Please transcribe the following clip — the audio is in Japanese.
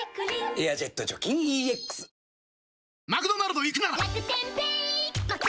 「エアジェット除菌ＥＸ」・あっ！